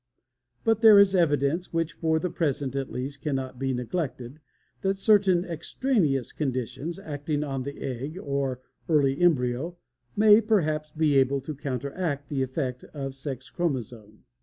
] But there is evidence, which for the present at least cannot be neglected, that certain extraneous conditions acting on the egg or early embryo may perhaps be able to counteract the effect of sex chromosome.